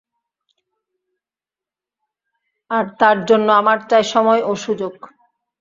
আর তার জন্য আমার চাই সময় ও সুযোগ।